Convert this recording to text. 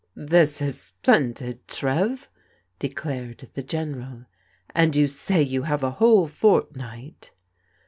" This is splendid, Trev," declared the GeneraL "And you say you have a whole fortnight